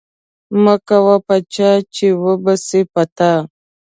مه کوه په چا، چي و به سي په تا.